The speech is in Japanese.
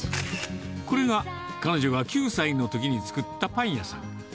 これが彼女が９歳のときに作ったパン屋さん。